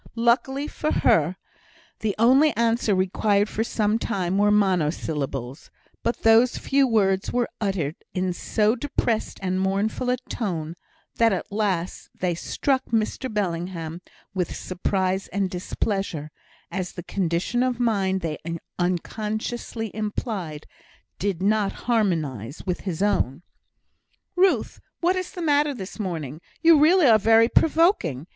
Luckily for her, the only answers required for some time were mono syllables; but those few words were uttered in so depressed and mournful a tone, that at last they struck Mr Bellingham with surprise and displeasure, as the condition of mind they unconsciously implied did not harmonise with his own. "Ruth, what is the matter this morning? You really are very provoking.